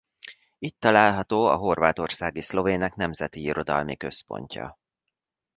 Itt található a horvátországi szlovének nemzeti irodalmi központja.